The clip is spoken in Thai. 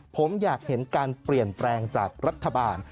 ผมอยากเห็นการเปลี่ยนแปลงจากรัฐบาล